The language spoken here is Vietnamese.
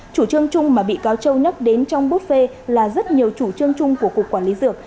chủ trương chung mà bị cáo châu nhắc đến trong buốt phê là rất nhiều chủ trương chung của cục quản lý dược